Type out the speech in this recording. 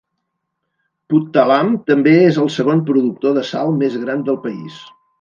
Puttalam també és el segon productor de sal més gran del país.